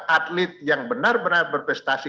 atlet yang benar benar berprestasi